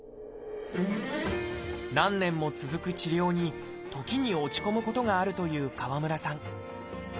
何年も続く治療に時に落ち込むことがあるという川村さん